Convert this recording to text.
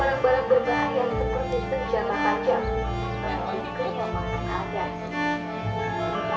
yang tua serta barang barang berbahaya seperti penjama kaca